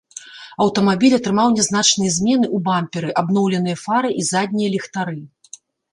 Аўтамабіль атрымаў нязначныя змены ў бамперы, абноўленыя фары і заднія ліхтары.